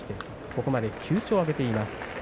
ここまで９勝を挙げています。